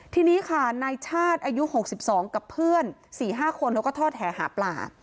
ทีนี้ค่ะนายชาติอายุ๖๒กับเพื่อน๔๕คนเขาก็ทอดแห่หาปลา